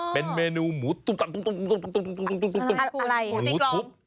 เป็นเมนูหมูมรูทุบ